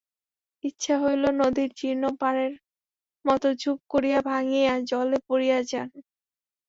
ইচ্ছা হইল নদীর জীর্ণ পাড়ের মতো ঝুপ করিয়া ভাঙিয়া জলে পড়িয়া যান।